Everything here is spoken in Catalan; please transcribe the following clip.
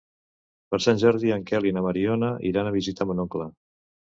Per Sant Jordi en Quel i na Mariona iran a visitar mon oncle.